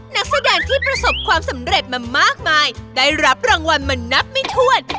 นักแสดงที่ประสบความสำเร็จมามากมายได้รับรางวัลมานับไม่ถ้วน